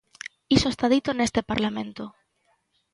Iso está dito neste Parlamento.